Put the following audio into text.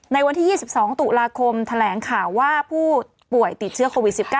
วันที่๒๒ตุลาคมแถลงข่าวว่าผู้ป่วยติดเชื้อโควิด๑๙